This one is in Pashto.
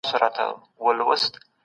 د مهارت انتقال څنګه کيږي؟